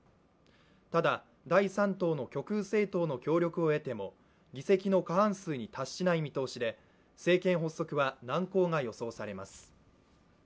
ただ、第３党の極右政党の協力を得ても、議席の過半数に達しない見通しで政権発足は難航が予想されます。